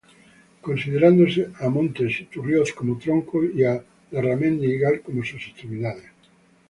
Considerándose a Montes Iturrioz como tronco y a Larramendi y Gal como sus 'extremidades'.